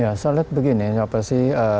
ya saya lihat begini siapa sih